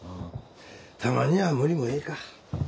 たまには無理もええか。